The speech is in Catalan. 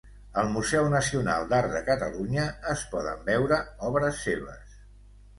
Al Museu Nacional d'Art de Catalunya es poden veure obres seves.